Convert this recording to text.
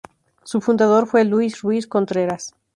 Su fundador fue Luis Ruiz Contreras.